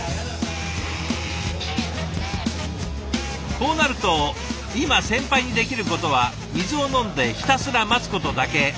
こうなると今先輩にできることは水を飲んでひたすら待つことだけ。